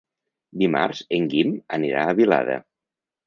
Dimarts en Guim anirà a Vilada.